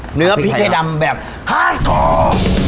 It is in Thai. เนื้อพริกไทยดำแบบฮาร์ดคอร์